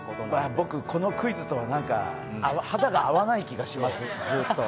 僕、このクイズとは肌が合わない気がします、ずっと。